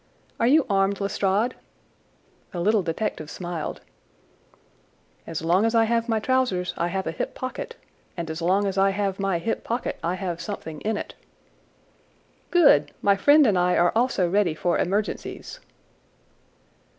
"Are you armed, Lestrade?" The little detective smiled. "As long as I have my trousers I have a hip pocket, and as long as I have my hip pocket I have something in it." "Good! My friend and I are also ready for emergencies."